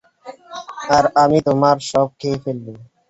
আর আমি তোমার সব খেয়ে ফেলব।